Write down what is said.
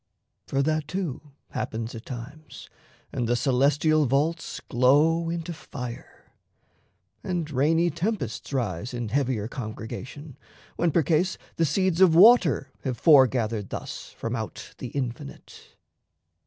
For that, too, Happens at times, and the celestial vaults Glow into fire, and rainy tempests rise In heavier congregation, when, percase, The seeds of water have foregathered thus From out the infinite.